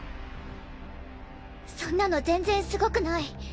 そんなの全然すごくない。